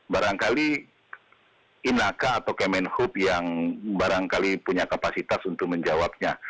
barangkali inaca atau kemen hub yang barangkali punya kapasitas untuk menjawabnya